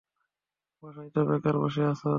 বাসায় তো বেকার বসে থাকো।